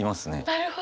なるほど。